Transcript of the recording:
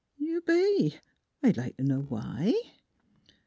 " You be? I'd like t' know why?